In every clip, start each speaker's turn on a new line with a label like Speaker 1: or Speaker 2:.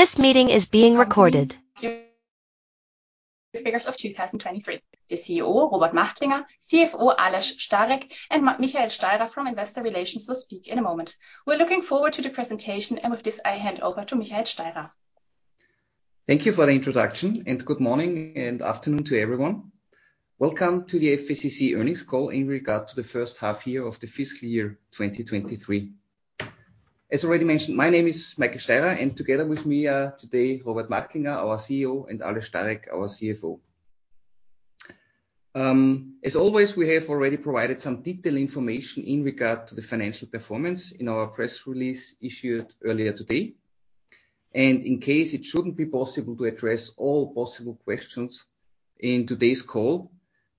Speaker 1: Figures of 2023. The CEO, Robert Machtlinger, CFO, Aleš Stárek, and Michael Steirer from Investor Relations will speak in a moment. We're looking forward to the presentation. With this, I hand over to Michael Steirer.
Speaker 2: Good morning and afternoon to everyone. Welcome to the FACC earnings call in regard to the first half year of the fiscal year 2023. As already mentioned, my name is Michael Steirer, and together with me today, Robert Machtlinger, our CEO, and Aleš Stárek, our CFO. As always, we have already provided some detailed information in regard to the financial performance in our press release issued earlier today. In case it shouldn't be possible to address all possible questions in today's call,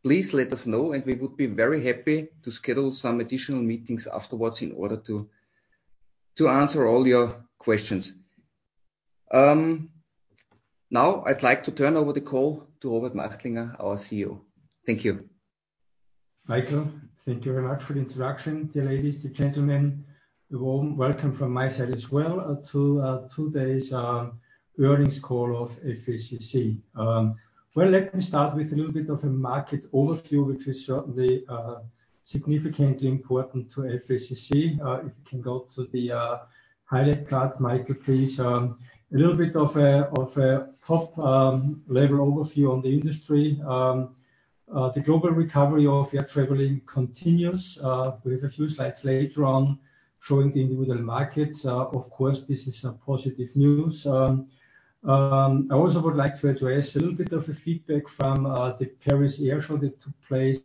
Speaker 2: please let us know, and we would be very happy to schedule some additional meetings afterwards in order to answer all your questions. Now I'd like to turn over the call to Robert Machtlinger, our CEO. Thank you.
Speaker 3: Michael, thank you very much for the introduction. Dear ladies, dear gentlemen, welcome from my side as well, to today's earnings call of FACC. Well, let me start with a little bit of a market overview, which is certainly significantly important to FACC. If you can go to the highlight card, Michael, please. A little bit of a top level overview on the industry. The global recovery of air traveling continues. We have a few slides later on showing the individual markets. Of course, this is a positive news. I also would like to address a little bit of a feedback from the Paris Air Show that took place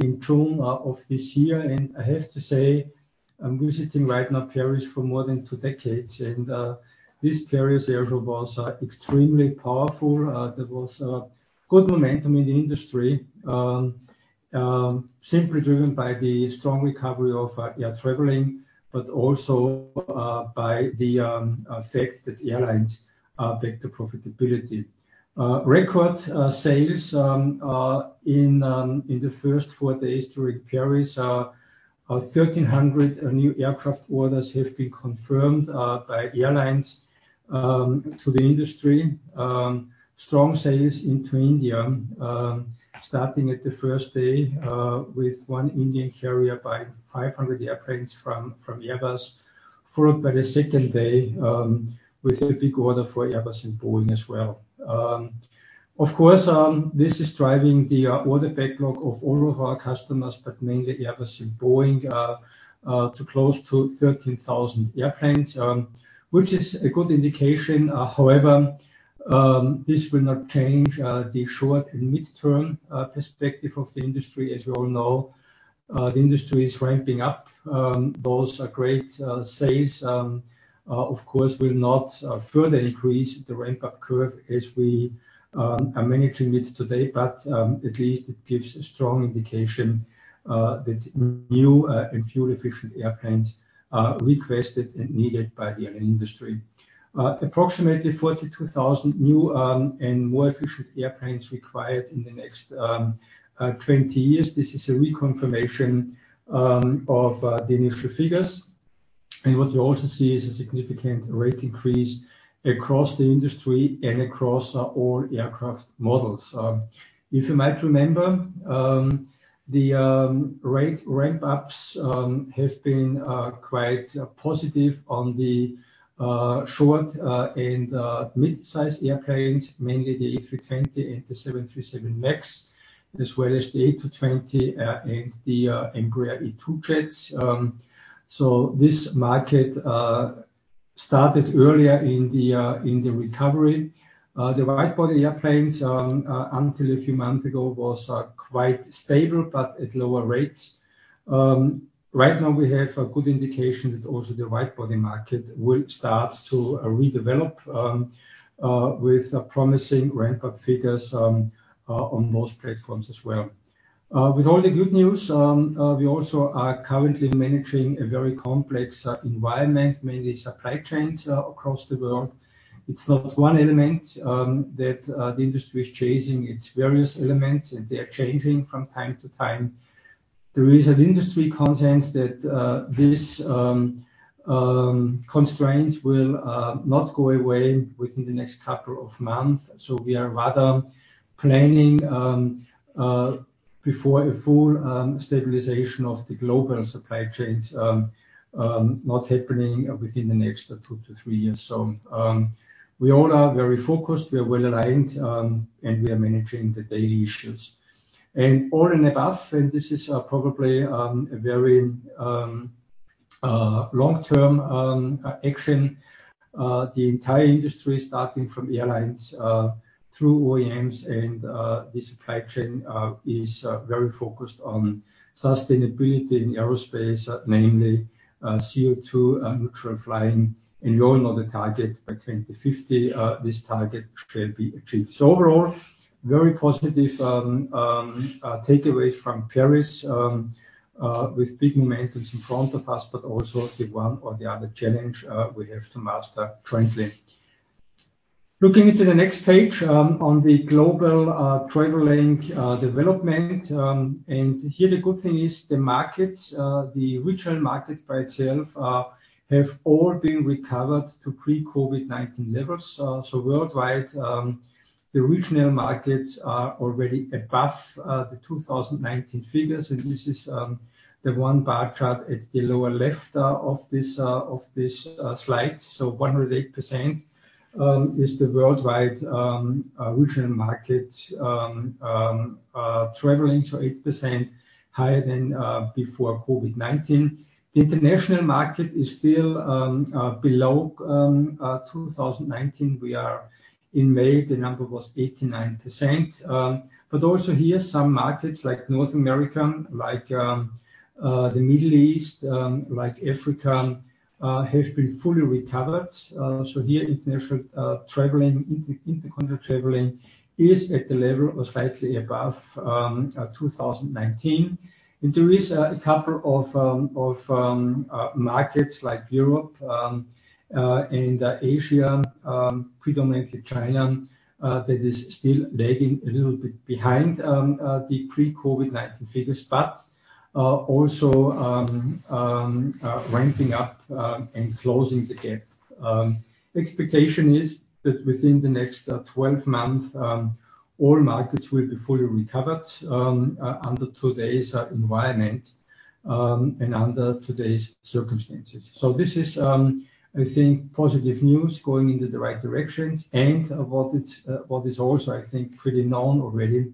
Speaker 3: in June of this year. I have to say, I'm visiting right now Paris for more than two decades, and this Paris Air Show was extremely powerful. There was good momentum in the industry, simply driven by the strong recovery of air traveling, but also by the fact that the airlines back to profitability. Record sales in the first four days during Paris, 1,300 new aircraft orders have been confirmed by airlines to the industry. Strong sales into India, starting at the first day, with one Indian carrier buying 500 airplanes from, from Airbus, followed by the second day, with a big order for Airbus and Boeing as well. Of course, this is driving the order backlog of all of our customers, but mainly Airbus and Boeing, to close to 13,000 airplanes, which is a good indication. However, this will not change the short and mid-term perspective of the industry. As we all know, the industry is ramping up. Those are great sales. Of course, will not further increase the ramp-up curve as we are managing it today, but at least it gives a strong indication that new and fuel-efficient airplanes are requested and needed by the airline industry. Approximately 42,000 new and more efficient airplanes required in the next 20 years. This is a reconfirmation of the industry figures. What you also see is a significant rate increase across the industry and across all aircraft models. If you might remember, the rate ramp-ups have been quite positive on the short and mid-sized airplanes, mainly the A320 and the 737 MAX, as well as the A220 and the Embraer E2 jets. This market started earlier in the recovery. The wide-body airplanes until a few months ago, was quite stable, but at lower rates. We have a good indication that also the wide-body market will start to redevelop with promising ramp-up figures on most platforms as well. With all the good news, we also are currently managing a very complex environment, mainly supply chains across the world. It's not one element that the industry is chasing. It's various elements, they are changing from time to time. There is an industry consensus that this constraints will not go away within the next couple of months, so we are rather planning before a full stabilization of the global supply chains not happening within the next two to three years. We all are very focused, we are well-aligned, and we are managing the daily issues. All in above, and this is probably a very long-term action, the entire industry, starting from airlines, through OEMs and the supply chain, is very focused on sustainability in aerospace, namely, CO2 neutral flying. You all know the target by 2050, this target shall be achieved. Overall, very positive takeaway from Paris, with big moments in front of us, but also the one or the other challenge we have to master jointly. Looking into the next page, on the global traveling development. Here the good thing is the markets, the regional markets by itself, have all been recovered to pre-COVID-19 levels. Worldwide, the regional markets are already above the 2019 figures, and this is the one bar chart at the lower left of this of this slide. 108% is the worldwide regional market traveling, so 8% higher than before COVID-19. The international market is still below 2019. We are in May, the number was 89%. Also here, some markets like North America, like the Middle East, like Africa, have been fully recovered. Here, international traveling, intercontinental traveling is at the level or slightly above 2019. There is a couple of markets like Europe, Asia, predominantly China, that is still lagging a little bit behind the pre-COVID-19 figures, but also ramping up and closing the gap. Expectation is that within the next 12 months, all markets will be fully recovered under today's environment and under today's circumstances. This is, I think, positive news going into the right directions. What it's, what is also, I think, pretty known already,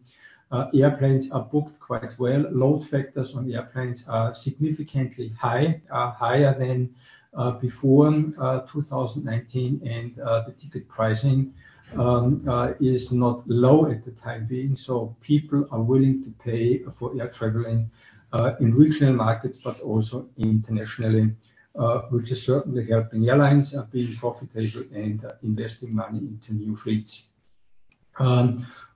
Speaker 3: airplanes are booked quite well. Load factors on the airplanes are significantly high, higher than before 2019, and the ticket pricing is not low at the time being. People are willing to pay for air traveling in regional markets, but also internationally, which is certainly helping airlines being profitable and investing money into new fleets.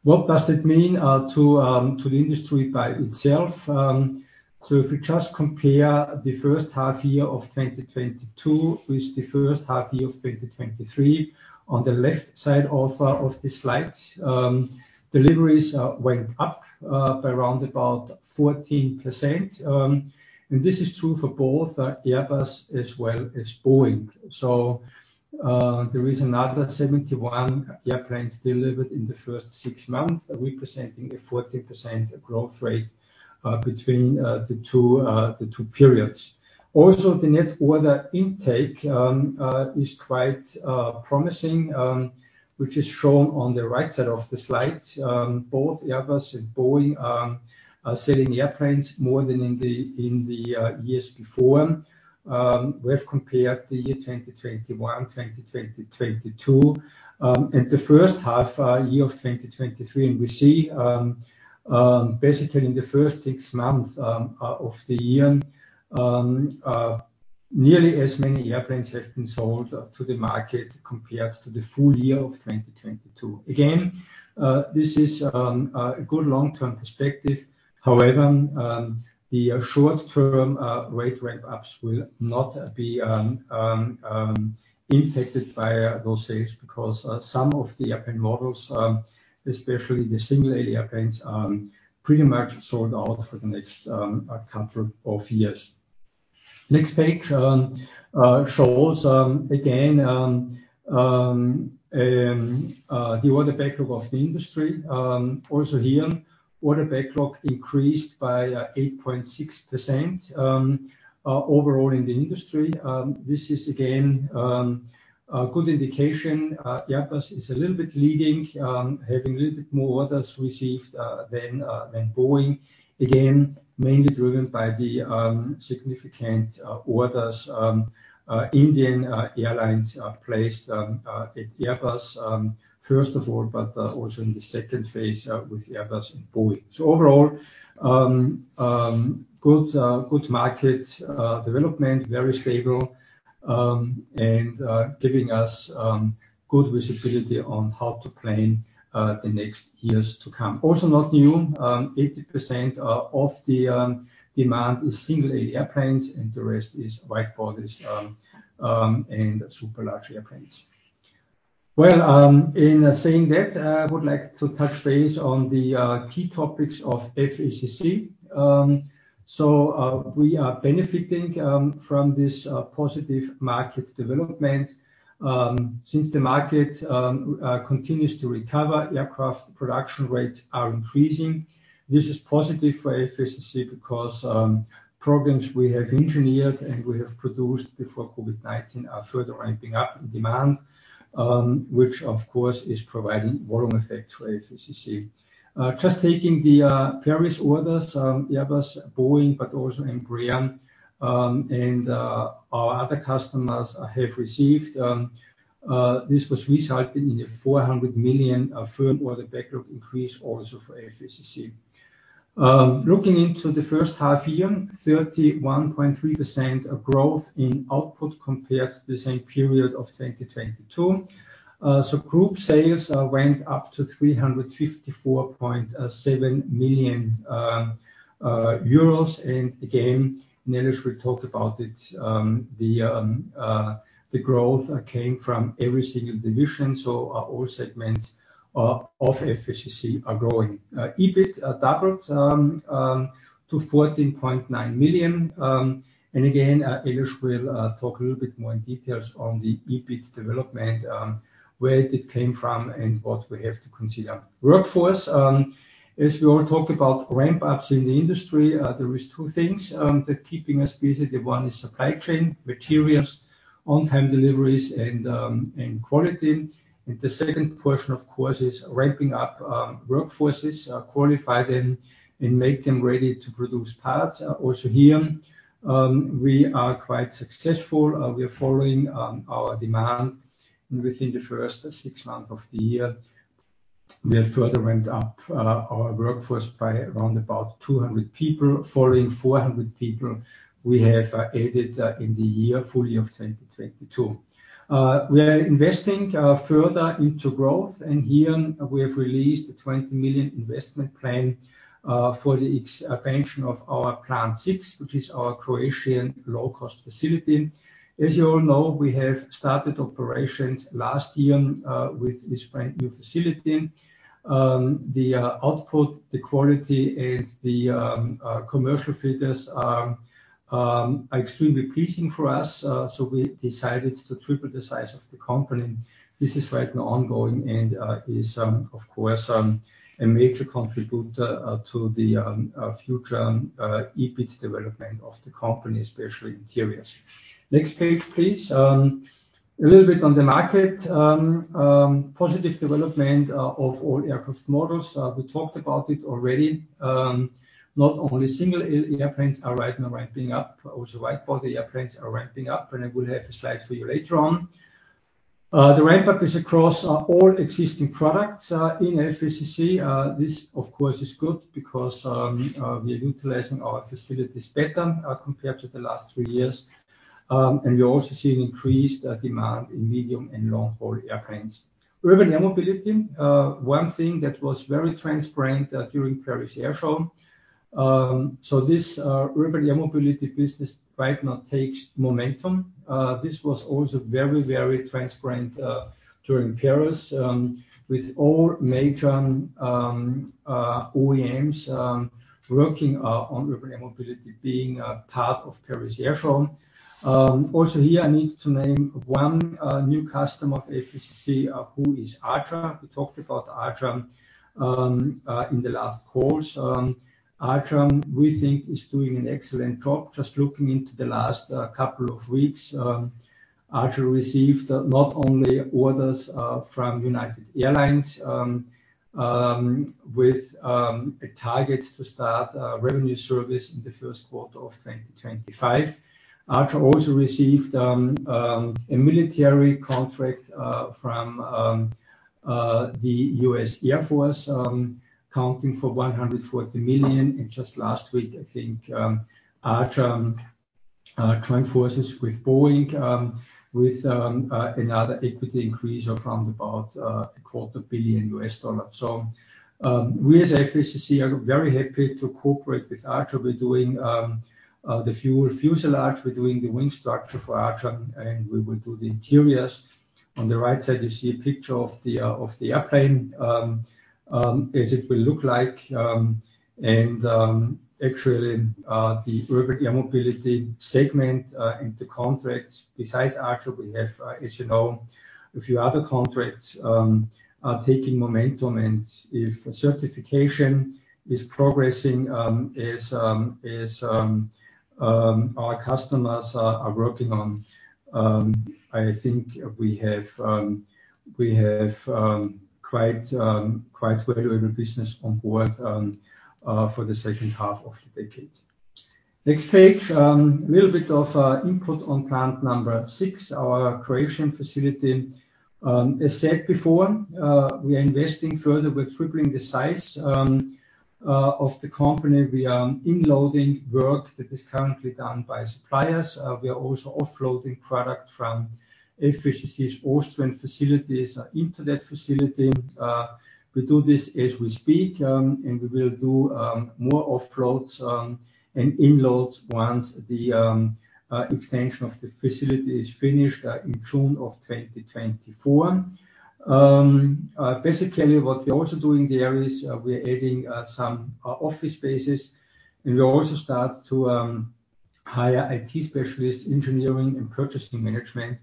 Speaker 3: What does it mean to the industry by itself? If we just compare the first half year of 2022 with the first half year of 2023, on the left side of the slide, deliveries went up by around about 14%. This is true for both Airbus as well as Boeing. There is another 71 airplanes delivered in the first six months, representing a 14% growth rate between the two, the two periods. Also, the net order intake is quite promising, which is shown on the right side of the slide. Both Airbus and Boeing are, are selling airplanes more than in the years before. We have compared the year 2021, 2022, and the first half year of 2023, and we see, basically in the first six months of the year, nearly as many airplanes have been sold to the market compared to the full year of 2022. Again, this is a good long-term perspective. However, the short-term rate ramp-ups will not be impacted by those sales because some of the airplane models, especially the single-aisle airplanes, are pretty much sold out for the next couple of years. Next page shows again the order backlog of the industry. Also here, order backlog increased by 8.6% overall in the industry. This is again a good indication. Airbus is a little bit leading, having a little bit more orders received than Boeing. Again, mainly driven by the significant orders Indian Airlines placed at Airbus, first of all, but also in the second phase with Airbus and Boeing. Overall, good market development, very stable, and giving us good visibility on how to plan the next years to come. Also not new, 80% of the demand is single-aisle airplanes, and the rest is wide-bodies and super large airplanes. Well, in saying that, I would like to touch base on the key topics of FACC. We are benefiting from this positive market development. Since the market continues to recover, aircraft production rates are increasing. This is positive for FACC because programs we have engineered and we have produced before COVID-19 are further ramping up in demand, which of course is providing volume effect to FACC. Just taking the various orders, Airbus, Boeing, but also Embraer, and our other customers have received, this was resulting in a 400 million firm order backlog increase also for FACC. Looking into the first half year, 31.3% of growth in output compared to the same period of 2022. Group sales went up to 354.7 million euros. Again, Aleš will talk about it, the growth came from every single division, so all segments of FACC are growing. EBIT doubled to 14.9 million. Again, Aleš will talk a little bit more in details on the EBIT development, where it came from, and what we have to consider. Workforce, as we all talk about ramp ups in the industry, there is two things that keeping us busy. The one is supply chain, materials, on-time deliveries, and quality. The second portion, of course, is ramping up workforces, qualify them and make them ready to produce parts. Also here, we are quite successful. We are following our demand, and within the first six months of the year, we have further ramped up our workforce by around about 200 people, following 400 people we have added in the year full of 2022. We are investing further into growth, and here we have released a 20 million investment plan for the expansion of our Plant 6, which is our Croatian low-cost facility. As you all know, we have started operations last year with this brand new facility. The output, the quality, and the commercial filters are extremely pleasing for us, so we decided to triple the size of the company. This is right now ongoing, of course, a major contributor to the future EBIT development of the company, especially Interiors. Next page, please. A little bit on the market. Positive development of all aircraft models. We talked about it already. Not only single-aisle airplanes are right now ramping up, also wide-body airplanes are ramping up, and I will have the slides for you later on. The ramp up is across all existing products in FACC. This, of course, is good because we are utilizing our facilities better compared to the last three years. We also see an increased demand in medium and long-haul airplanes. Urban Air Mobility, one thing that was very transparent during Paris Air Show. This Urban Air Mobility business right now takes momentum. This was also very, very transparent during Paris, with all major OEMs working on Urban Air Mobility being a part of Paris Air Show. Also here, I need to name one new customer of FACC, who is Archer. We talked about Archer in the last calls. Archer, we think, is doing an excellent job. Just looking into the last couple of weeks, Archer received not only orders from United Airlines, with a target to start a revenue service in the first quarter of 2025. Archer also received a military contract from the US Air Force, accounting for $140 million. Just last week, I think, Archer joined forces with Boeing, with another equity increase of around about $250 million. We as FACC are very happy to cooperate with Archer. We're doing the full fuselage, we're doing the wing structure for Archer, and we will do the Interiors. On the right side, you see a picture of the airplane as it will look like. Actually, the Urban Air Mobility segment and the contracts, besides Archer, we have, as you know, a few other contracts, are taking momentum. If certification is progressing as our customers are working on, I think we have quite well-driven business on board for the second half of the decade. Next page. A little bit of input on Plant 6, our Croatian facility. As said before, we are investing further. We're tripling the size of the company. We are inloading work that is currently done by suppliers. We are also offloading product from FACC's Austrian facilities into that facility. We do this as we speak, and we will do more offloads and inloads once the extension of the facility is finished in June of 2024. Basically, what we're also doing there is, we are adding some office spaces, and we also start to hire IT specialists, engineering, and purchasing management,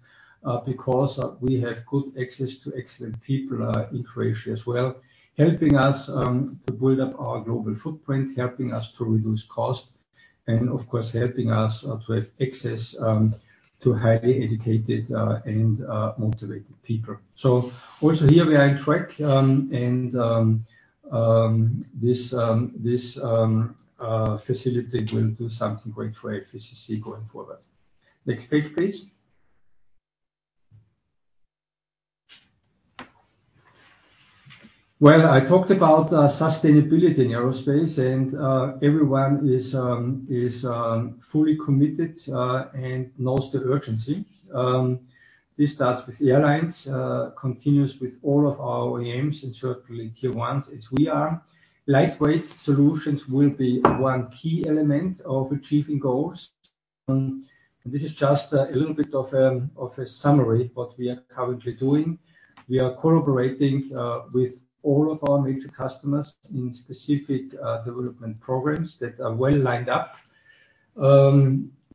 Speaker 3: because we have good access to excellent people in Croatia as well, helping us to build up our global footprint, helping us to reduce cost, and of course, helping us to have access to highly educated and motivated people. Also here we are on track, and this facility will do something great for FACC going forward. Next page, please. Well, I talked about sustainability in aerospace, and everyone is fully committed and knows the urgency. This starts with airlines, continues with all of our OEMs, and certainly Tier 1, as we are. Lightweight solutions will be one key element of achieving goals. This is just a little bit of a summary what we are currently doing. We are collaborating with all of our major customers in specific development programs that are well lined up.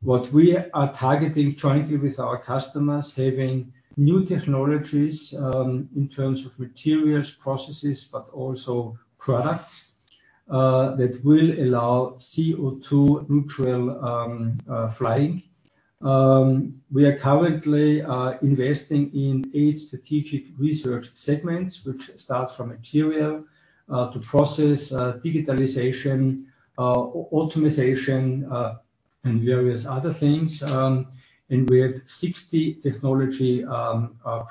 Speaker 3: What we are targeting jointly with our customers, having new technologies in terms of materials, processes, but also products that will allow CO2 neutral flying. We are currently investing in eight strategic research segments, which starts from material to process, digitalization, optimization, and various other things. We have 60 technology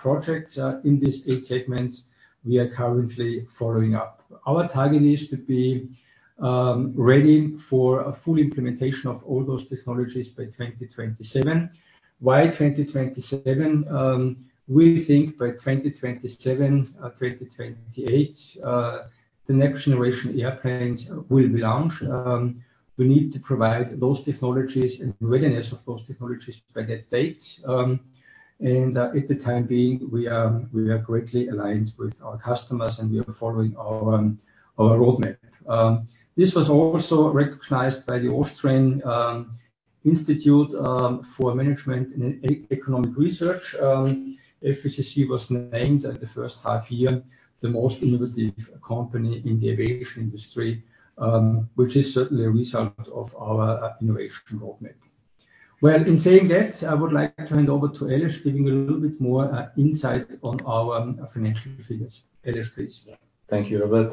Speaker 3: projects in these eight segments we are currently following up. Our target is to be ready for a full implementation of all those technologies by 2027. Why 2027? We think by 2027, 2028, the next generation airplanes will be launched. We need to provide those technologies and readiness of those technologies by that date. At the time being, we are, we are greatly aligned with our customers, and we are following our roadmap. This was also recognized by the Austrian Institute for Management and Economic Research. FACC was named at the first half year, the most innovative company in the aviation industry, which is certainly a result of our innovation roadmap. Well, in saying that, I would like to hand over to Aleš, giving a little bit more insight on our financial figures. Aleš, please.
Speaker 4: Thank you, Robert,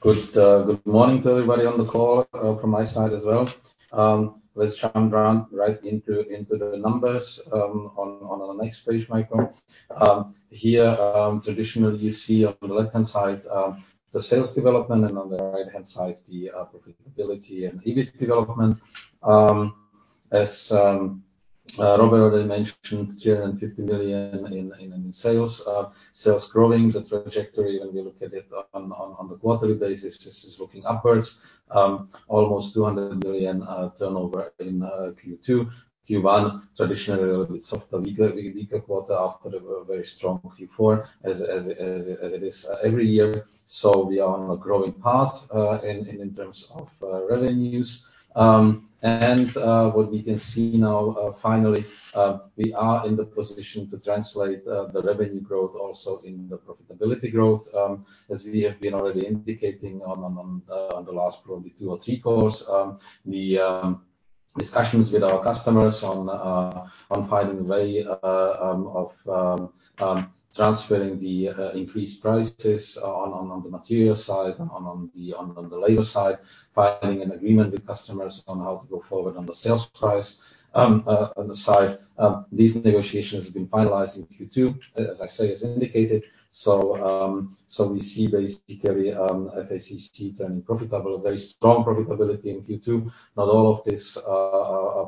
Speaker 4: good morning to everybody on the call from my side as well. Let's jump right into, into the numbers on, on the next page, Michael. Here, traditionally, you see on the left-hand side, the sales development, and on the right-hand side, the profitability and EBIT development. As Robert already mentioned, 350 million in sales. Sales growing, the trajectory, when we look at it on, on, on the quarterly basis, this is looking upwards. Almost 200 million turnover in Q2. Q1, traditionally, a little bit softer, weaker, weaker quarter after a very strong Q4 as, as, as, as it is every year. We are on a growing path in, in terms of revenues. What we can see now, finally, we are in the position to translate the revenue growth also in the profitability growth. As we have been already indicating on, on, on the last probably two or three calls, the discussions with our customers on finding a way of transferring the increased prices on the material side, on the labor side, finding an agreement with customers on how to go forward on the sales price on the side. These negotiations have been finalized in Q2, as I say, as indicated. We see basically FACC turning profitable, very strong profitability in Q2. Not all of this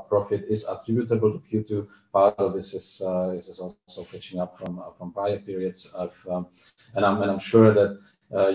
Speaker 4: profit is attributable to Q2, part of this is also catching up from prior periods of. I'm, and I'm sure that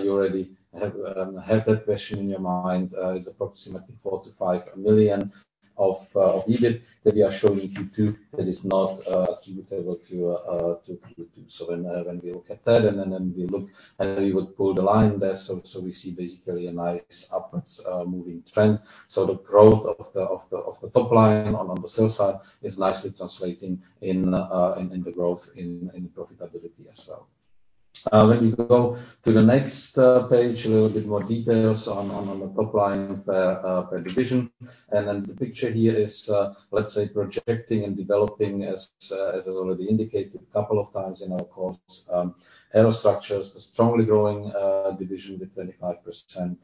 Speaker 4: you already have that question in your mind. It's approximately 4 million-5 million of EBIT that we are showing in Q2 that is not attributable to Q2. When we look at that, and then, then we look, and we would pull the line there, so we see basically a nice upwards moving trend. The growth of the top line on the sales side is nicely translating in the growth in profitability as well. When we go to the next page, a little bit more details on, on, on the top line per division. The picture here is, let's say, projecting and developing as, as is already indicated a couple of times in our calls. Aerostructures, the strongly growing division with 25%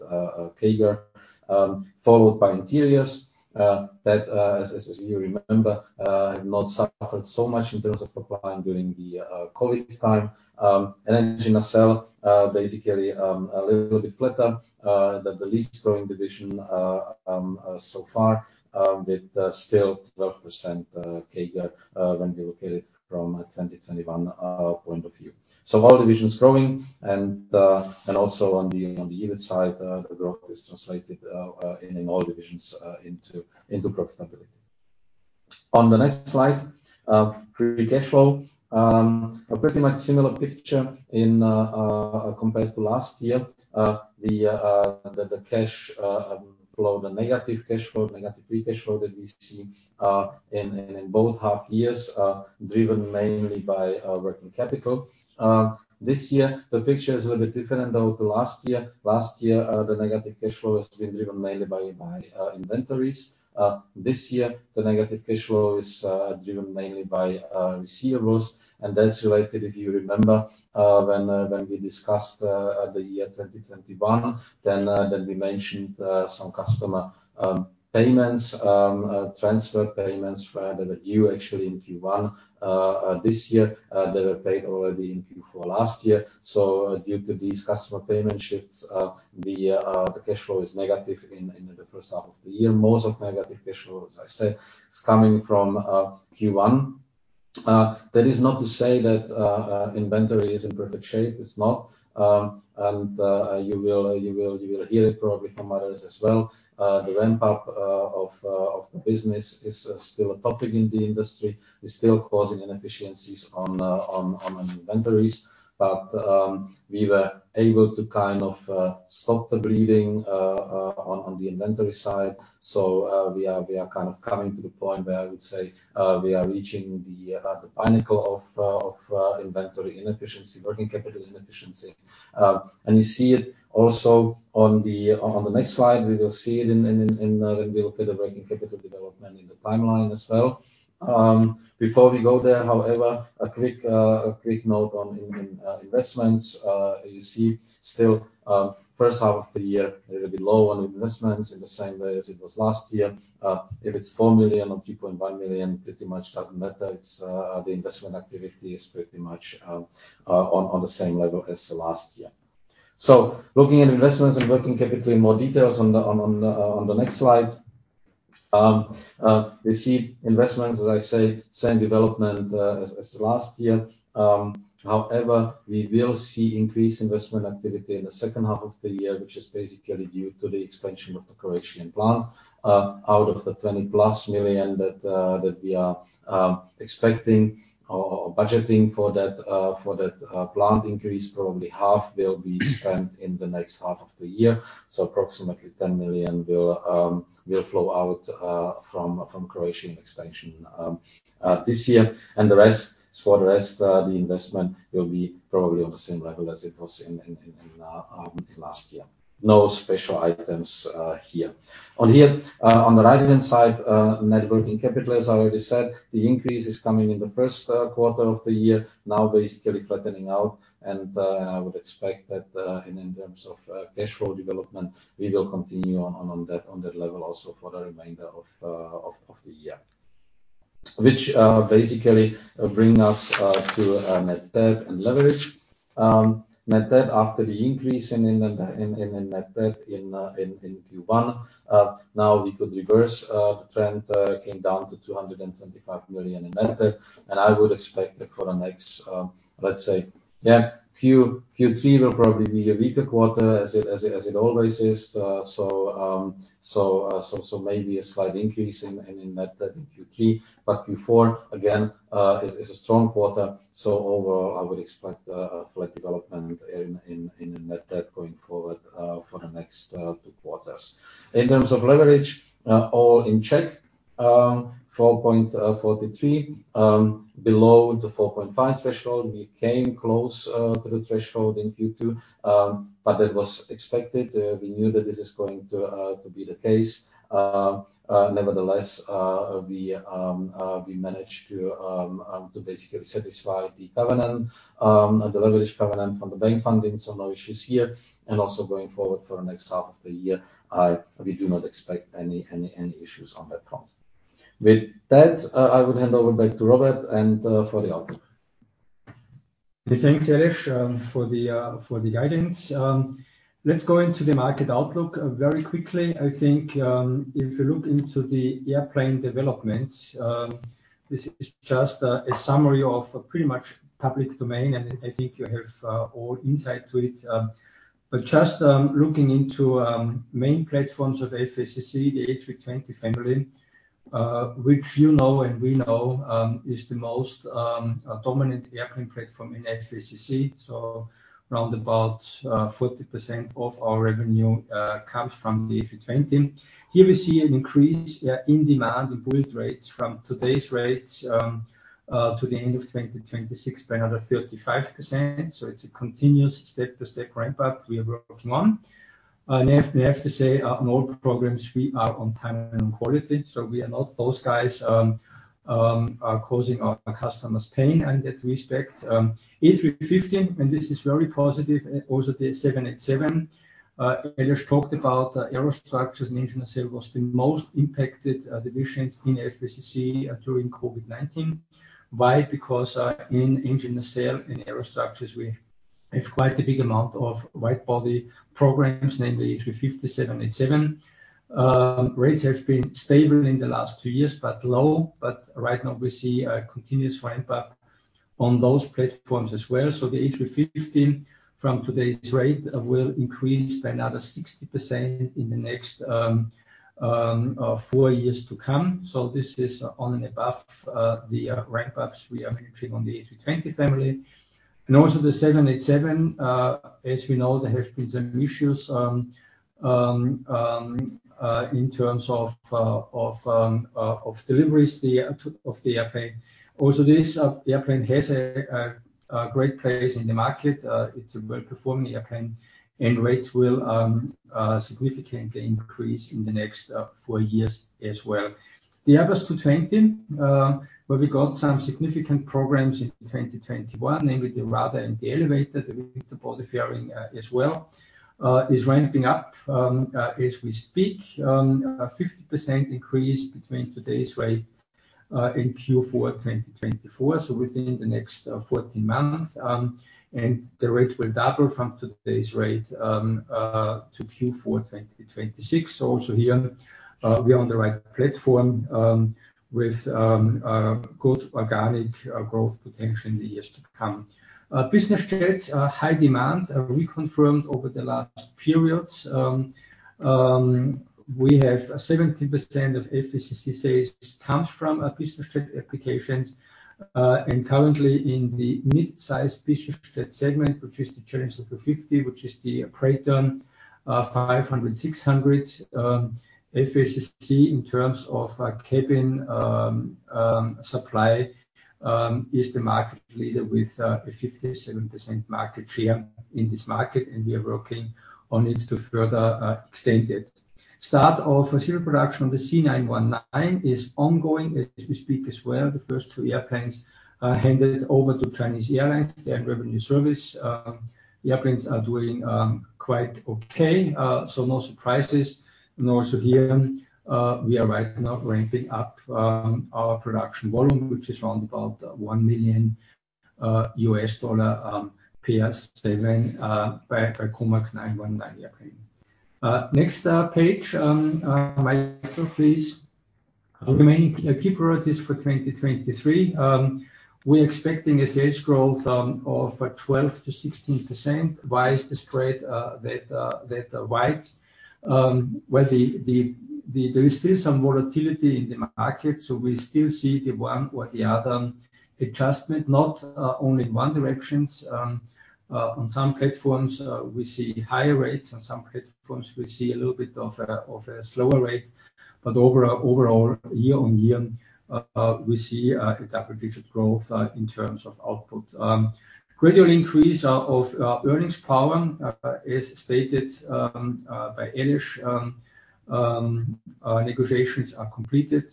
Speaker 4: CAGR, followed by Interiors, that, as, as you remember, have not suffered so much in terms of top line during the COVID time. Engine Nacelle, basically, a little bit flatter, that the least growing division so far, with still 12% CAGR, when we look at it from a 2021 point of view. All divisions growing, and also on the EBIT side, the growth is translated in all divisions into profitability. On the next slide, Free Cash Flow. A pretty much similar picture in compared to last year. The the the cash flow, the negative cash flow, negative Free Cash Flow that we see in both half years, driven mainly by Working Capital. This year, the picture is a little bit different, though, to last year. Last year, the negative cash flow has been driven mainly by, by inventories. This year, the negative cash flow is driven mainly by receivables, and that's related, if you remember, when we discussed the year 2021, then we mentioned some customer payments, transfer payments that were due actually in Q1. This year, they were paid already in Q4 last year. Due to these customer payment shifts, the cash flow is negative in the first half of the year. Most of negative cash flow, as I said, is coming from Q1. That is not to say that inventory is in perfect shape. It's not. You will, you will, you will hear it probably from others as well. The ramp up of the business is still a topic in the industry. It's still causing inefficiencies on inventories. We were able to kind of stop the bleeding on the inventory side. We are, we are kind of coming to the point where I would say, we are reaching the pinnacle of inventory inefficiency, working capital inefficiency. You see it also on the next slide, we will see it in, in, in, when we look at the working capital development in the timeline as well. Before we go there, however, a quick, a quick note on in, in, investments. You see still, first half of the year, a little bit low on investments in the same way as it was last year. If it's 4 million or 3.1 million, pretty much doesn't matter. It's the investment activity is pretty much on the same level as last year. Looking at investments and working capital in more details on the next slide. We see investments, as I say, same development as last year. However, we will see increased investment activity in the second half of the year, which is basically due to the expansion of the Croatian plant. Out of the +20 million that we are expecting or budgeting for that plant increase, probably half will be spent in the next half of the year. Approximately 10 million will flow out from Croatian expansion this year. The rest, for the rest, the investment will be probably on the same level as it was in, in, in, in, in last year. No special items here. On here, on the right-hand side, Net Working Capital, as I already said, the increase is coming in the first quarter of the year, now basically flattening out. I would expect that, in terms of, cash flow development, we will continue on, on, on that, on that level also for the remainder of, of, of the year. Which basically bring us, to, Net Debt and leverage. Net debt, after the increase in the net debt in Q1, now we could reverse the trend, came down to 225 million in net debt, and I would expect that for the next... Let's say, Q3 will probably be a weaker quarter, as it always is. Maybe a slight increase in net debt in Q3, but Q4, again, is a strong quarter. Overall, I would expect a flat development in the net debt going forward for the next two quarters. In terms of leverage, all in check, 4.43, below the 4.5 threshold. We came close to the threshold in Q2, that was expected. We knew that this is going to be the case. Nevertheless, we managed to basically satisfy the covenant, the leverage covenant from the bank funding. No issues here, and also going forward for the next half of the year, we do not expect any, any, any issues on that front. I would hand over back to Robert and for the outlook.
Speaker 3: Thanks, Aleš, for the for the guidance. Let's go into the market outlook very quickly. I think, if you look into the airplane developments, this is just a summary of pretty much public domain, and I think you have all insight to it. But just looking into main platforms of FACC, the A320 family, which you know and we know, is the most dominant airplane platform in FACC. Round about 40% of our revenue comes from the A320. Here we see an increase in demand and build rates from today's rates to the end of 2026 by another 35%. It's a continuous step-to-step ramp-up we are working on. I have to say, on all programs, we are on time and on quality, so we are not those guys causing our customers pain in that respect. A350, and this is very positive, and also the 787. Aleš talked about Aerostructures and Engine Nacelle was the most impacted divisions in FACC during COVID-19. Why? Because, in Engine Nacelle and Aerostructures, we have quite a big amount of wide-body programs, namely A350, 787. Rates have been stable in the last two years, but low. Right now, we see a continuous ramp up on those platforms as well. The A350, from today's rate, will increase by another 60% in the next four years to come. This is on and above the ramp ups we are managing on the A320 family. Also the 787, as we know, there have been some issues in terms of deliveries, of the airplane. Also, this the airplane has a great place in the market. It's a well-performing airplane, and rates will significantly increase in the next four years as well. The Airbus A220, where we got some significant programs in 2021, namely the rudder and the elevator, the body fairing as well, is ramping up as we speak. A 50% increase between today's rate in Q4 2024, so within the next 14 months. And the rate will double from today's rate to Q4 2026. Also here, we are on the right platform, with good organic growth potential in the years to come. Business jets are high demand, are reconfirmed over the last periods. We have 70% of FACC sales comes from business jet applications. And currently in the mid-size business jet segment, which is the Challenger 350, which is the Praetor 500, 600. FACC, in terms of cabin supply, is the market leader with a 57% market share in this market, and we are working on it to further extend it. Start of a serial production on the C919 is ongoing as we speak as well. The first two airplanes are handed over to Chinese Airlines, their revenue service. The airplanes are doing quite okay, so no surprises. Also here, we are right now ramping up our production volume, which is around about $1 million PS7, by Comac 919 airplane. Next page, please. Our main key priorities for 2023, we're expecting a sales growth of 12%-16%. Why is the spread that wide? Well, the there is still some volatility in the market, so we still see the one or the other adjustment, not only in one directions. On some platforms, we see higher rates, on some platforms, we see a little bit of a slower rate, but overall, year-on-year, we see a double-digit growth in terms of output. Gradual increase of earnings power is stated by Aleš. Negotiations are completed,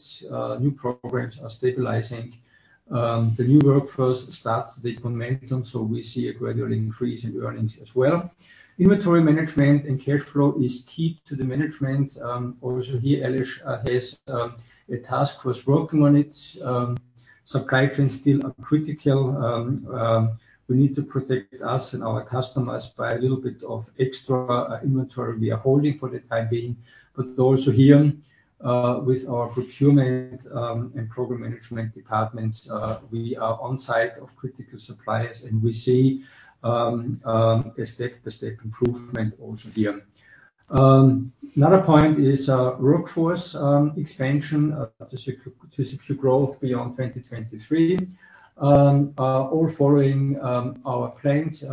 Speaker 3: new programs are stabilizing. The new workforce starts the momentum. We see a gradual increase in earnings as well. Inventory management and cash flow is key to the management. Also here, Aleš has a task force working on it. Supply chains still are critical. We need to protect us and our customers by a little bit of extra inventory we are holding for the time being. Also here, with our procurement and program management departments, we are on site of critical suppliers, and we see a step-to-step improvement also here. Another point is workforce expansion to secure growth beyond 2023. All following our plans,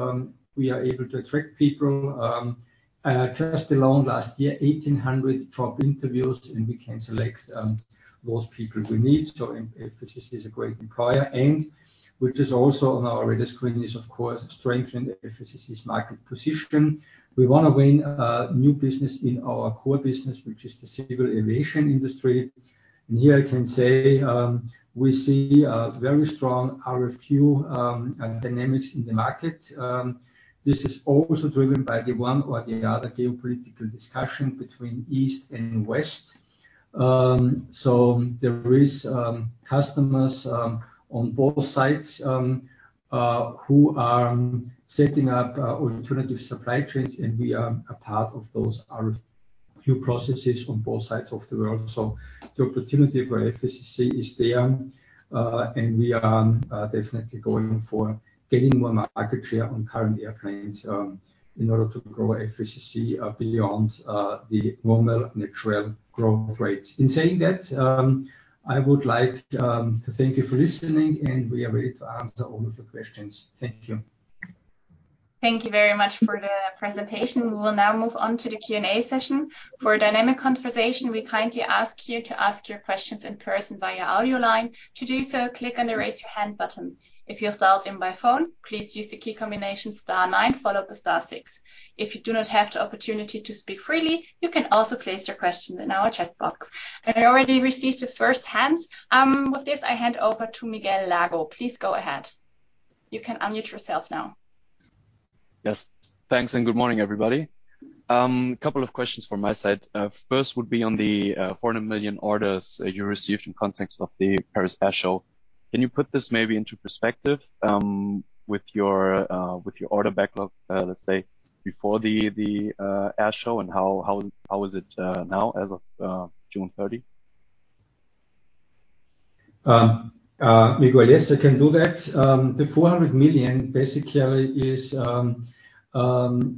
Speaker 3: we are able to attract people. Just alone last year, 1,800 job interviews, and we can select those people we need. FACC is a great employer. Which is also on our rudder screen is, of course, strengthen FACC's market position. We want to win new business in our core business, which is the civil aviation industry. Here I can say, we see a very strong RFQ and dynamics in the market. This is also driven by the one or the other geopolitical discussion between East and West. There is customers on both sides who are setting up alternative supply chains, and we are a part of those RFQ processes on both sides of the world. The opportunity for FACC is there, and we are definitely going for getting more market share on current airplanes in order to grow FACC beyond the normal natural growth rates. In saying that, I would like to thank you for listening, and we are ready to answer all of your questions. Thank you.
Speaker 1: Thank you very much for the presentation. We will now move on to the Q&A session. For a dynamic conversation, we kindly ask you to ask your questions in person via audio line. To do so, click on the Raise Your Hand button. If you're dialed in by phone, please use the key combination star nine, followed by star six. If you do not have the opportunity to speak freely, you can also place your questions in our chat box. I already received the first hands. With this, I hand over to Miguel Lago. Please go ahead. You can unmute yourself now.
Speaker 5: Yes. Thanks, and good morning, everybody. A couple of questions from my side. First would be on the 400 million orders you received in context of the Paris Air Show. Can you put this maybe into perspective with your with your order backlog, let's say, before the Air Show, and how is it now as of June 30?
Speaker 3: Miguel, yes, I can do that. The 400 million basically is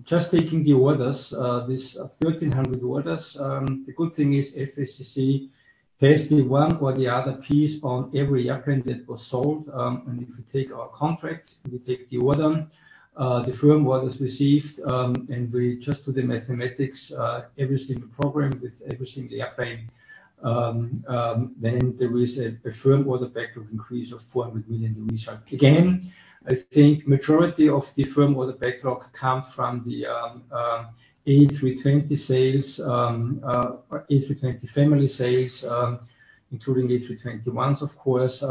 Speaker 3: just taking the orders, this 1,300 orders. The good thing is FACC has the one or the other piece on every airplane that was sold. If you take our contracts, if you take the order, the firm orders received, and we just do the mathematics, every single program with every single-aisle airplane, then there is a firm order backlog increase of 400 million research. Again, I think majority of the firm order backlog come from the A320 sales, A320 family sales, including A321s, of course,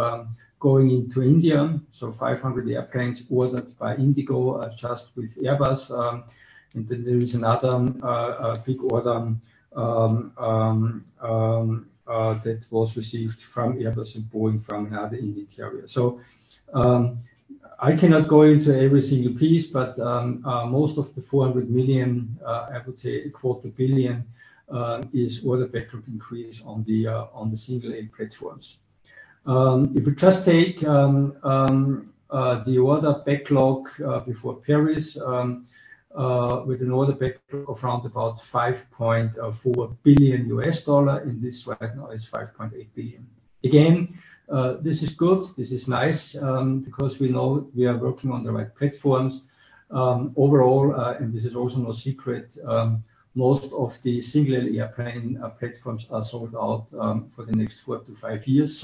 Speaker 3: going into India. 500 airplanes ordered by IndiGo, adjust with Airbus. There is another big order that was received from Airbus and Boeing from another Indian carrier. I cannot go into every single piece, but most of the $400 million, I would say $250 million, is order backlog increase on the single-aisle platforms. We just take the order backlog before Paris with an order backlog of around about $5.4 billion, in this right now is $5.8 billion. This is good, this is nice, because we know we are working on the right platforms. Overall, this is also no secret, most of the single-aisle airplane platforms are sold out for the next four to five years.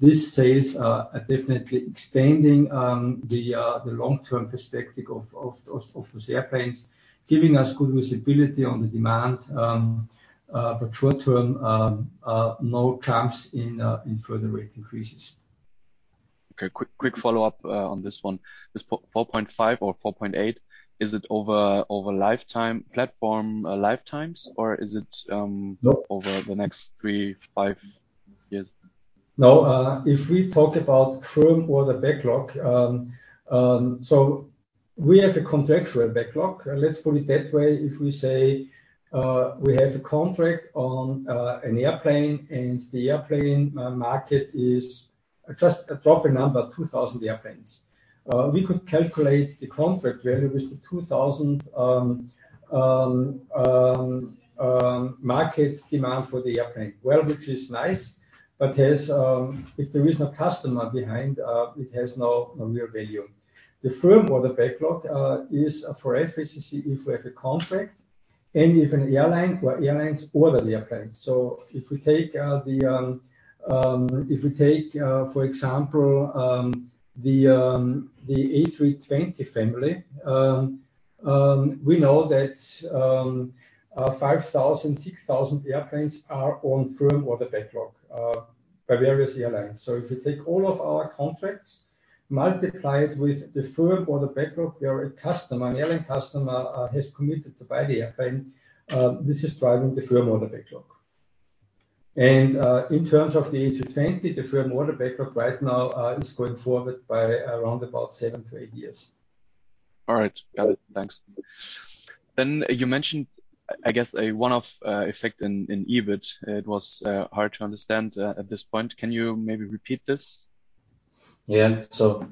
Speaker 3: These sales are, are definitely extending, the long-term perspective of, of, of, those airplanes, giving us good visibility on the demand. Short term, no trumps in further rate increases.
Speaker 5: Okay, quick, quick follow-up, on this one. This 4.5 or 4.8, is it over, over lifetime, platform lifetimes, or is it?
Speaker 3: No.
Speaker 5: over the next three, five years?
Speaker 3: No. If we talk about firm order backlog, we have a contractual backlog. Let's put it that way. If we say, we have a contract on an airplane, and the airplane market is just a proper number, 2,000 airplanes. We could calculate the contract value with the 2,000 market demand for the airplane. Well, which is nice, but has, if there is no customer behind, it has no, no real value. The firm order backlog is for FACC, if we have a contract and if an airline or airlines order the airplane. If we take the, if we take, for example, the A320 family, we know that 5,000, 6,000 airplanes are on firm order backlog by various airlines. If you take all of our contracts, multiply it with the firm order backlog, where a customer, an airline customer, has committed to buy the airplane, this is driving the firm order backlog. In terms of the A320, the firm order backlog right now, is going forward by around about seven to eight years.
Speaker 5: All right. Got it. Thanks. You mentioned, I guess, a one-off effect in EBIT. It was hard to understand at this point. Can you maybe repeat this?
Speaker 3: Yeah.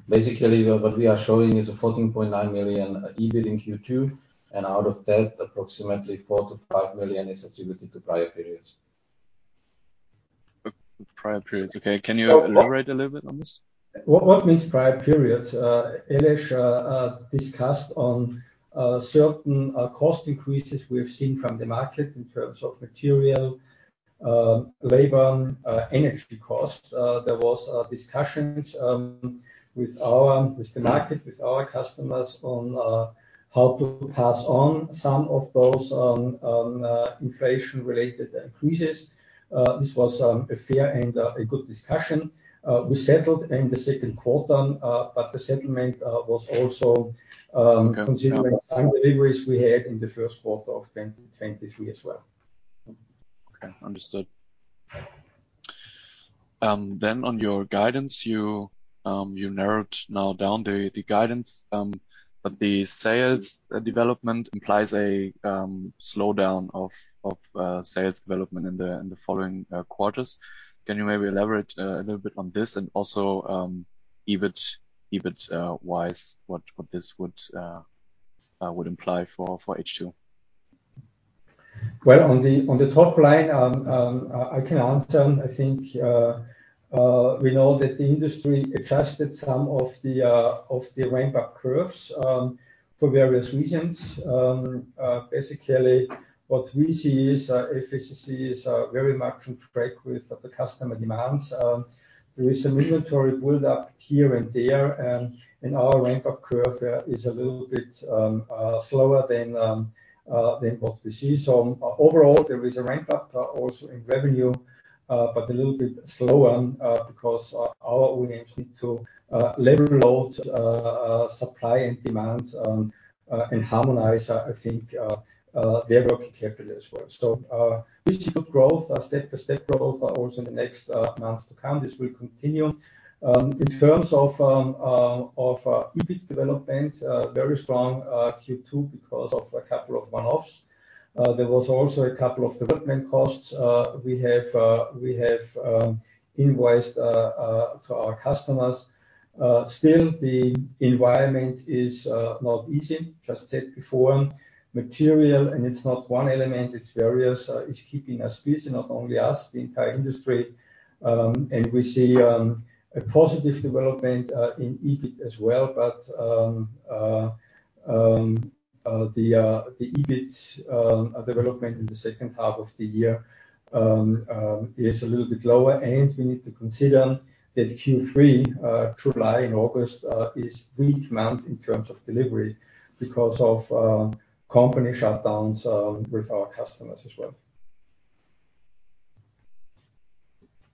Speaker 3: Basically, what we are showing is a 14.9 million EBIT in Q2, out of that, approximately 4 million- 5 million is attributed to prior periods.
Speaker 5: Prior periods. Okay. Can you elaborate a little bit on this?
Speaker 3: What, what means prior periods? Aleš discussed on certain cost increases we've seen from the market in terms of material, labor, energy costs. There was discussions with the market, with our customers on how to pass on some of those inflation-related increases. This was a fair and a good discussion. We settled in the second quarter, but the settlement was also,-
Speaker 5: Okay...
Speaker 3: considering some deliveries we had in the first quarter of 2023 as well.
Speaker 5: Okay. Understood. On your guidance, you, you narrowed now down the, the guidance, but the sales development implies a slowdown of, of sales development in the following quarters. Can you maybe elaborate a little bit on this? Also, EBIT, EBIT wise, what, what this would would imply for H2.
Speaker 3: Well, on the, on the top line, I, I can answer. I think, we know that the industry adjusted some of the, of the ramp-up curves, for various reasons. Basically, what we see is, FACC is very much in break with the customer demands. There is some inventory build up here and there, and, and our ramp-up curve is a little bit slower than what we see. Overall, there is a ramp-up also in revenue, but a little bit slower, because our OEMs need to level load supply and demand and harmonize, I think, their working capital as well. This good growth, step-to-step growth, also in the next months to come, this will continue. In terms of EBIT development, very strong Q2 because of a couple of one-offs. There was also a couple of development costs we have invoiced to our customers. Still, the environment is not easy. Just said before, material, and it's not one element, it's various, it's keeping us busy, not only us, the entire industry. We see a positive development in EBIT as well, but the EBIT development in the second half of the year is a little bit lower, and we need to consider that Q3, July and August, is weak month in terms of delivery because of company shutdowns with our customers as well.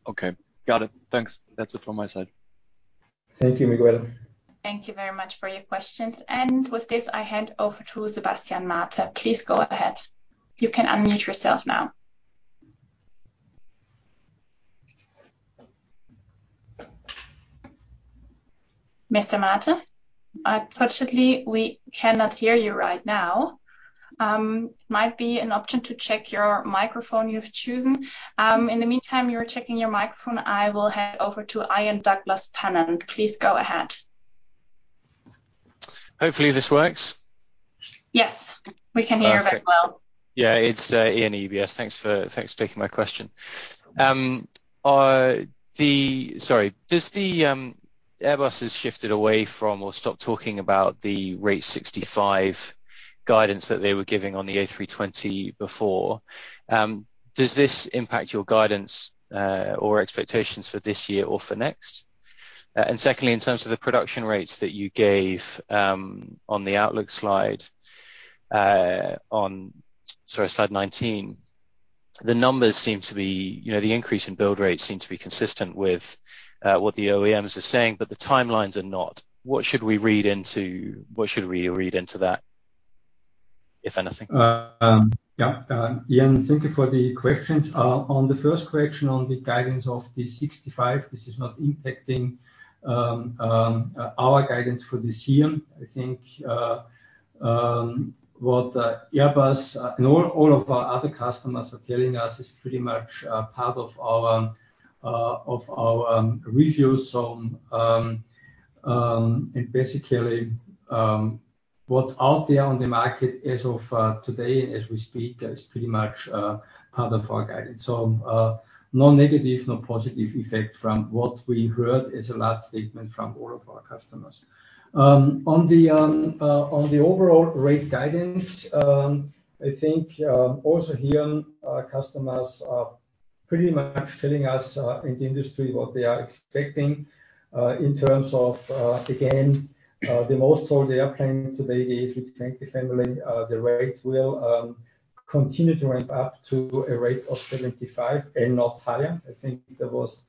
Speaker 5: Okay. Got it. Thanks. That's it from my side.
Speaker 3: Thank you, Miguel.
Speaker 1: Thank you very much for your questions. With this, I hand over to Sebastian Martin. Please go ahead. You can unmute yourself now. Mr. Martin, unfortunately, we cannot hear you right now. Might be an option to check your microphone you've chosen. In the meantime, you are checking your microphone, I will head over to Ian Douglas-Pennant, Panmure. Please go ahead.
Speaker 6: Hopefully, this works.
Speaker 1: Yes, we can hear you very well.
Speaker 6: Yeah, it's Ian UBS. Thanks for taking my question. Sorry. Does the Airbus has shifted away from or stopped talking about the rate 65 guidance that they were giving on the A320 before? Does this impact your guidance or expectations for this year or for next? Secondly, in terms of the production rates that you gave on the outlook slide, on, sorry, slide 19, the numbers seem to be, you know, the increase in build rates seem to be consistent with what the OEMs are saying, but the timelines are not. What should we read into that, if anything?
Speaker 3: Ian, thank you for the questions. On the first question on the guidance of the 65, this is not impacting our guidance for this year. What Airbus and all, all of our other customers are telling us is pretty much part of our of our reviews. Basically, what's out there on the market as of today, as we speak, is pretty much part of our guidance. No negative, no positive effect from what we heard is the last statement from all of our customers. On the overall rate guidance, I think also here, our customers are pretty much telling us in the industry what they are expecting in terms of again, the most sold airplane today is which 20 family. The rate will continue to ramp up to a rate of 75% and not higher. I think there was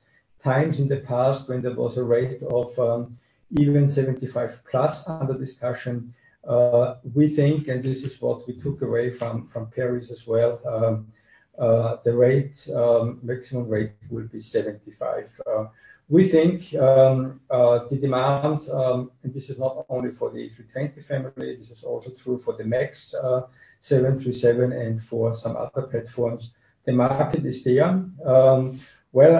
Speaker 3: times in the past when there was a rate of even %75% under discussion. We think, and this is what we took away from Paris as well, the rate maximum rate will be %75. We think the demand, and this is not only for the A320 family, this is also true for the MAX, 737 and for some other platforms. The market is there. Well,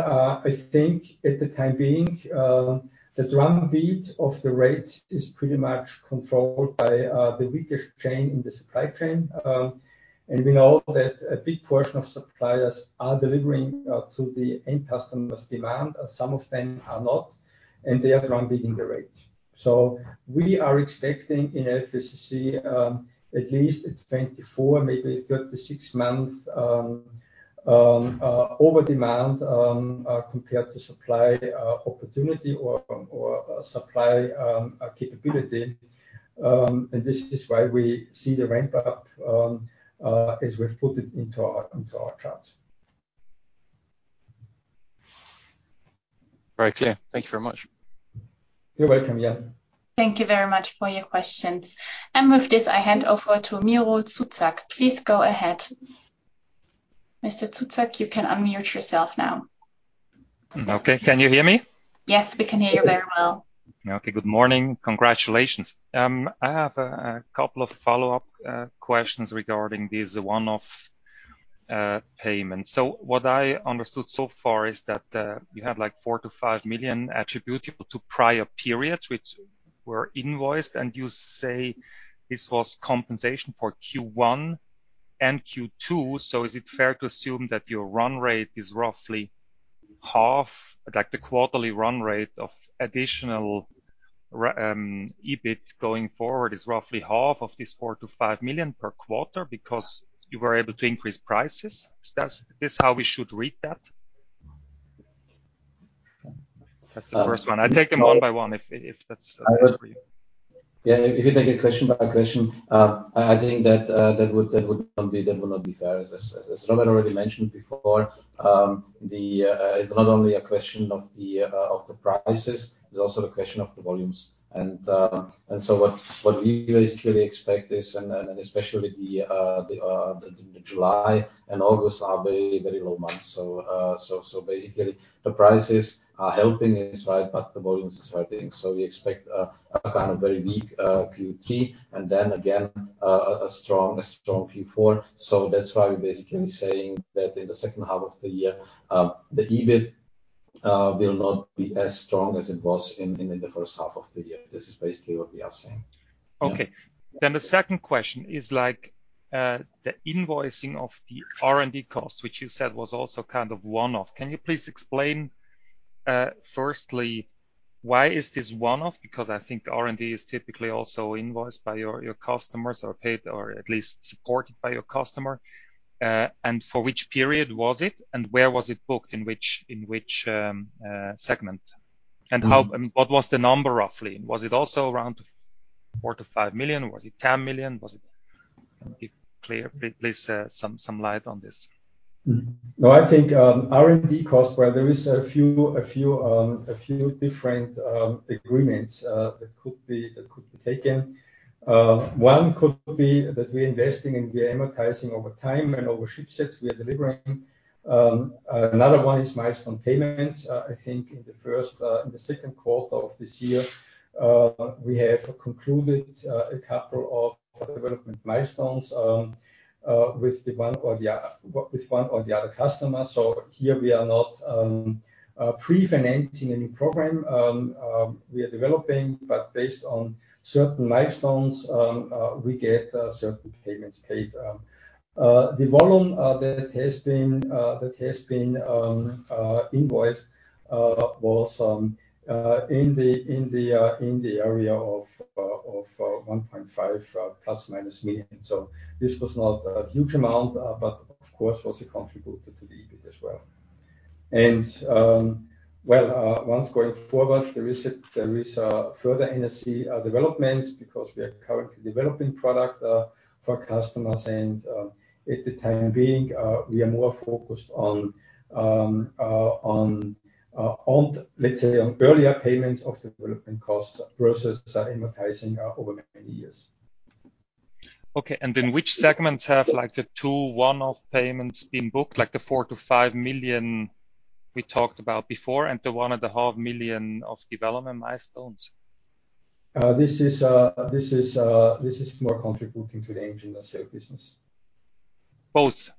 Speaker 3: I think at the time being, the drum beat of the rates is pretty much controlled by the weakest chain in the supply chain. We know that a big portion of suppliers are delivering to the end customers' demand, some of them are not, and they are drum beating the rate. We are expecting in FACC, at least it's 24, maybe 36 months, over demand, compared to supply opportunity or, or, supply capability. This is why we see the ramp up as we've put it into our, into our charts.
Speaker 6: Very clear. Thank you very much.
Speaker 3: You're welcome, Ian.
Speaker 1: Thank you very much for your questions. With this, I hand over to Miro Zuzak. Please go ahead. Mr. Zuzak, you can unmute yourself now.
Speaker 7: Okay. Can you hear me?
Speaker 1: Yes, we can hear you very well.
Speaker 7: Okay. Good morning. Congratulations. I have a couple of follow-up questions regarding this one-off payment. What I understood so far is that you have, like, 4 million-5 million attributable to prior periods which were invoiced, and you say this was compensation for Q1 and Q2. Is it fair to assume that your run rate is roughly half, like the quarterly run rate of additional EBIT going forward is roughly half of this 4 million-5 million per quarter because you were able to increase prices? Is this how we should read that? That's the first one. I take them one by one, if that's...
Speaker 4: Yeah, if you take it question by question, I, I think that, that would, that would not be, that would not be fair. As, as, as Robert already mentioned before, it's not only a question of the, of the prices, it's also a question of the volumes. What, what we basically expect is, and, and especially the, the, the July and August are very, very low months. Basically, the prices are helping us, right, but the volumes is hurting. We expect a, a kind of very weak Q3, and then again, a strong, a strong Q4. That's why we're basically saying that in the second half of the year, the EBIT will not be as strong as it was in, in, in the first half of the year. This is basically what we are saying.
Speaker 7: Okay. The second question is like, the invoicing of the R&D cost, which you said was also kind of one-off. Can you please explain, firstly, why is this one-off? Because I think R&D is typically also invoiced by your, your customers or paid or at least supported by your customer. For which period was it, and where was it booked, in which, in which segment? What was the number roughly? Was it also around two-...... 4 million-5 million? Was it 10 million? Was it, can you clear, please, some, some light on this?
Speaker 3: Mm-hmm. No, I think, R&D cost, well, there is a few, a few, a few different agreements that could be, that could be taken. One could be that we're investing and we are amortizing over time and over shipsets we are delivering. Another one is milestone payments. I think in the first, in the second quarter of this year, we have concluded a couple of development milestones with the one or the other customers. Here we are not pre-financing any program we are developing, but based on certain milestones, we get certain payments paid. The volume that has been invoiced was in the area of ±1.5 million. This was not a huge amount, but of course, was a contributor to the EBIT as well. Well, once going forward, there is a further NSE developments because we are currently developing product for customers, and at the time being, we are more focused on, let's say, on earlier payments of development costs versus amortizing over many years.
Speaker 7: Okay, in which segments have, like, the two one-off payments been booked, like the 4 million-5 million we talked about before, and the 1.5 million of development milestones?
Speaker 3: This is, this is, this is more contributing to the Engine Nacelle business.
Speaker 7: Both?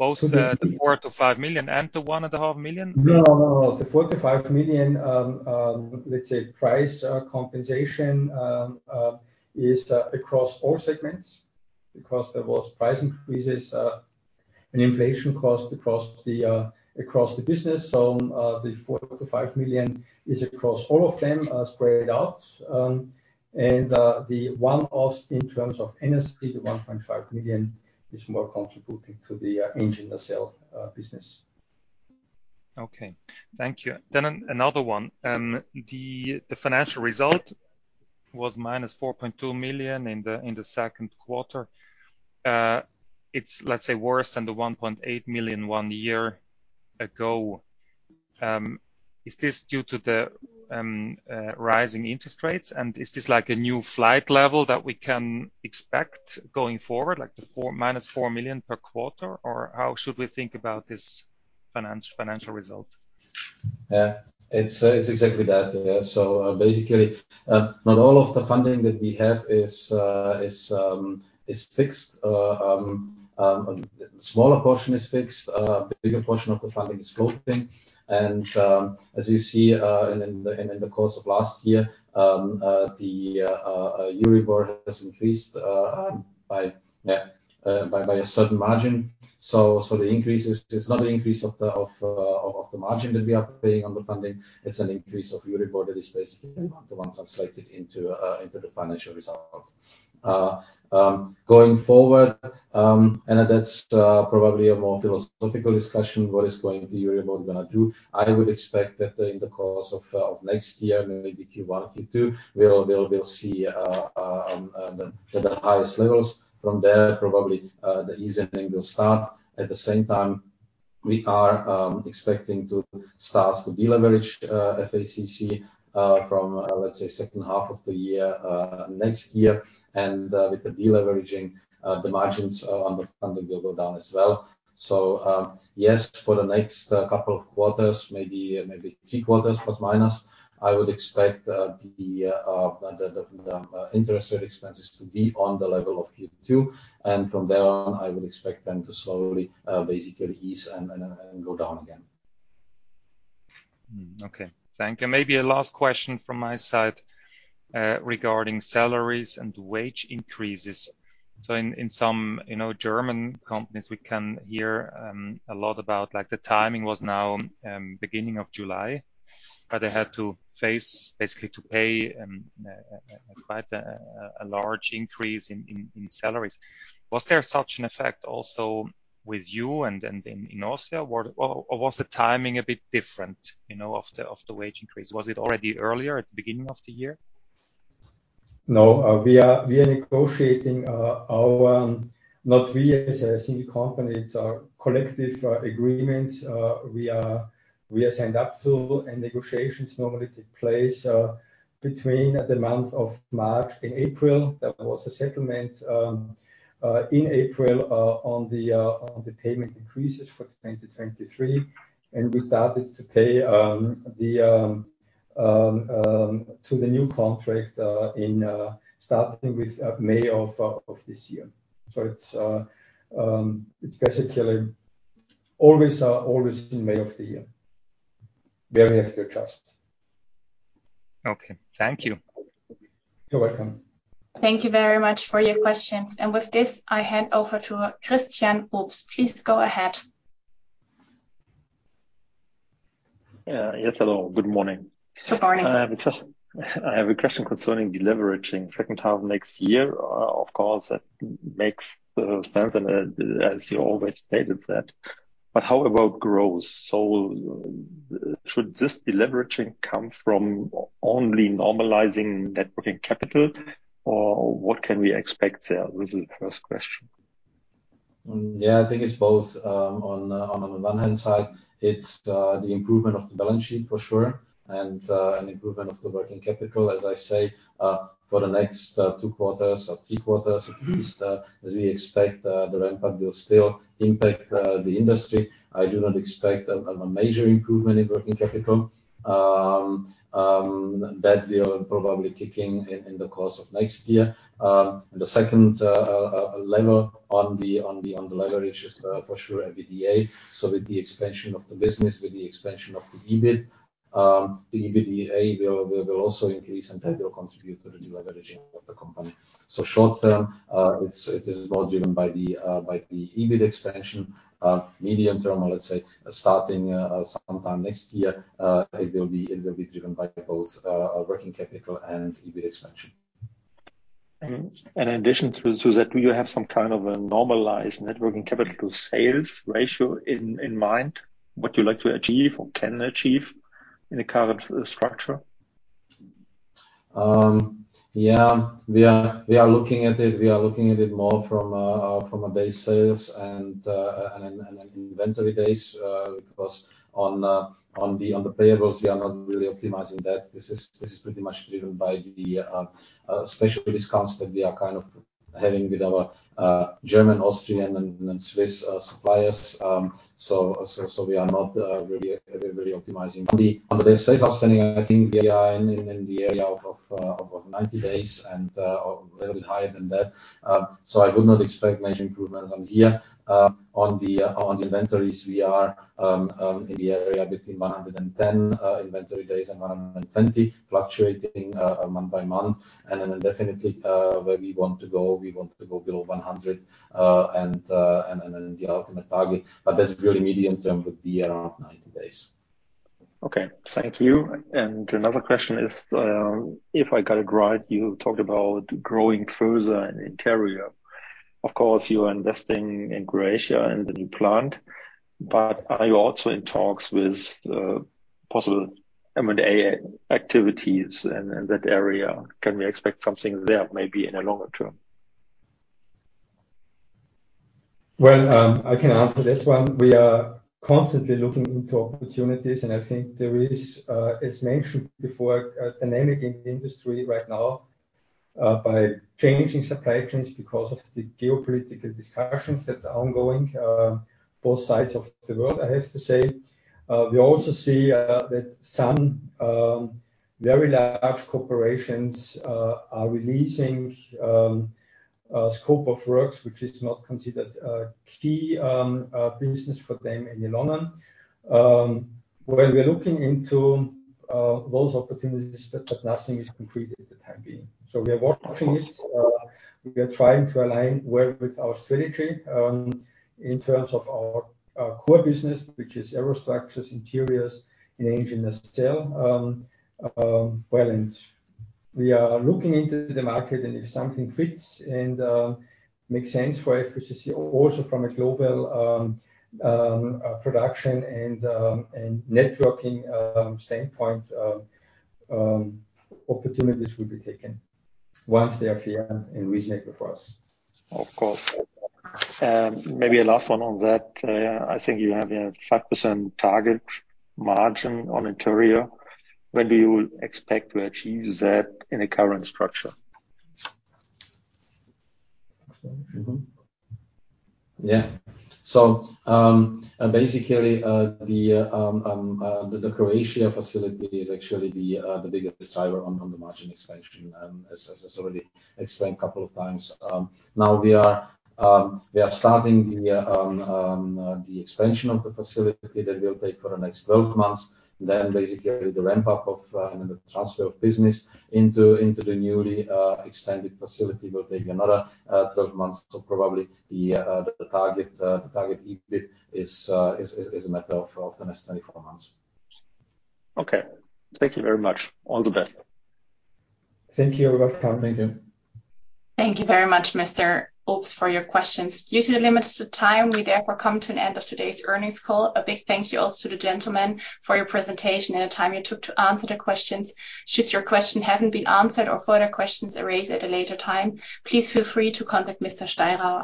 Speaker 7: Both, the 4 million-5 million and the 1.5 million?
Speaker 3: No, no, the 4 million-5 million, let's say price compensation, is across all segments, because there was price increases and inflation cost across the across the business. The 4 million-5 million is across all of them, spread out. The one-offs in terms of NSE, the 1.5 million, is more contributing to the Engine Nacelle business.
Speaker 7: Okay, thank you. Another one, the financial result was -4.2 million in the second quarter. It's, let's say, worse than the 1.8 million one year ago. Is this due to the rising interest rates? Is this like a new flight level that we can expect going forward, like the -4 million per quarter, or how should we think about this financial result?
Speaker 4: Yeah, it's, it's exactly that. Yeah. Basically, not all of the funding that we have is, is, is fixed. A smaller portion is fixed, a bigger portion of the funding is floating. As you see, in the course of last year, the Euribor has increased, by, yeah, by, by a certain margin. The increase is, it's not an increase of the, of, of, of the margin that we are paying on the funding, it's an increase of Euribor that is basically the one translated into, into the financial result. Going forward, and that's probably a more philosophical discussion, what is going to Euribor gonna do. I would expect that in the course of next year, maybe Q1, Q2, we'll, we'll, we'll see the highest levels. From there, probably the easing will start. At the same time, we are expecting to start to deleverage FACC from, let's say, second half of the year next year. With the deleveraging, the margins on the funding will go down as well. Yes, for the next couple of quarters, maybe three quarters, plus minus, I would expect the interest rate expenses to be on the level of Q2, and from there on, I would expect them to slowly basically ease and, and, and go down again.
Speaker 7: Hmm. Okay, thank you. Maybe a last question from my side, regarding salaries and wage increases. In, in some, you know, German companies, we can hear, a lot about like the timing was now, beginning of July, but they had to face... basically, to pay, quite a, a large increase in, in, in salaries. Was there such an effect also with you and, and in, in Austria, or, or, or was the timing a bit different, you know, of the, of the wage increase? Was it already earlier at the beginning of the year?
Speaker 3: No, we are, we are negotiating, our, not we as a single company, it's our collective, agreements, we are, we are signed up to, and negotiations normally take place, between the month of March and April. There was a settlement, in April, on the, on the payment increases for 2023, and we started to pay, the, to the new contract, in, starting with, May of this year. It's basically always, always in May of the year, where we have to adjust.
Speaker 7: Okay. Thank you.
Speaker 3: You're welcome.
Speaker 1: Thank you very much for your questions. With this, I hand over to Christian Ulbs. Please go ahead.
Speaker 8: Yeah. Yes, hello, good morning.
Speaker 1: Good morning.
Speaker 8: I have a question, I have a question concerning deleveraging second half of next year. Of course, that makes sense, and as you always stated. How about growth? Should this deleveraging come from only normalizing Net Working Capital, or what can we expect there? This is the first question.
Speaker 4: Yeah, I think it's both. On the one hand side, it's the improvement of the balance sheet, for sure, and an improvement of the working capital, as I say, for the next two quarters or three quarters at least, as we expect, the ramp up will still impact the industry. I do not expect a major improvement in working capital. That will probably kick in in the course of next year. The second level on the leverage is, for sure, EBITDA. With the expansion of the business, with the expansion of the EBIT, the EBITDA will also increase, and that will contribute to the deleveraging of the company. Short term, it is more driven by the EBIT expansion. Medium term, let's say, starting sometime next year, it will be driven by both working capital and EBIT expansion.
Speaker 8: In addition to that, do you have some kind of a normalized Net Working Capital to sales ratio in mind? What you'd like to achieve or can achieve in the current structure?
Speaker 4: We are, we are looking at it. We are looking at it more from a day sales and, and, and inventory days, because on the, on the payables, we are not really optimizing that. This is, this is pretty much driven by the special discounts that we are kind of having with our German, Austrian, and Swiss suppliers. We are not really, really optimizing. On the Days Sales Outstanding, I think we are in the area of 90 days or a little bit higher than that. I would not expect major improvements on here. , we are in the area between 110 inventory days and 120, fluctuating month by month. Then definitely, where we want to go, we want to go below 100, and then the ultimate target, but that's really medium term, would be around 90 days.
Speaker 8: Okay. Thank you. Another question is, if I got it right, you talked about growing further in Interiors. Of course, you are investing in Croatia and the new plant. Are you also in talks with possible M&A activities in, in that area? Can we expect something there, maybe in the longer term?
Speaker 3: I can answer that one. We are constantly looking into opportunities, and I think there is, as mentioned before, a dynamic in the industry right now, by changing supply chains because of the geopolitical discussions that are ongoing, both sides of the world, I have to say. We also see that some very large corporations are releasing a scope of works which is not considered a key business for them in the long run. We're looking into those opportunities, but nothing is completed at the time being. We are watching it. We are trying to align well with our strategy in terms of our, our core business, which is Aerostructures, interiors, and Engine Nacelle. Well, we are looking into the market, and if something fits and makes sense for it, which is also from a global production and networking standpoint, opportunities will be taken once they are here and reasonable for us.
Speaker 8: Of course. Maybe a last one on that. I think you have a 5% target margin on interior. When do you expect to achieve that in the current structure?
Speaker 3: Mm-hmm.
Speaker 4: Yeah. Basically, the Croatia facility is actually the biggest driver on the margin expansion, as I already explained a couple of times. Now we are starting the expansion of the facility. That will take for the next 12 months. Basically, the ramp-up of the transfer of business into the newly expanded facility will take another 12 months. Probably the target, the target EBIT is, is, is a matter of the next 24 months.
Speaker 8: Okay. Thank you very much. All the best.
Speaker 3: Thank you. You're welcome. Thank you.
Speaker 1: Thank you very much, Mr. Ulbs, for your questions. Due to the limits of time, we therefore come to an end of today's earnings call. A big thank you also to the gentlemen for your presentation and the time you took to answer the questions. Should your question haven't been answered or further questions arise at a later time, please feel free to contact Mr. Steirer.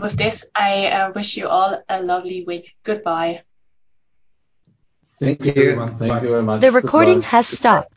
Speaker 1: With this, I wish you all a lovely week. Goodbye.
Speaker 3: Thank you.
Speaker 4: Thank you very much.
Speaker 1: The recording has stopped.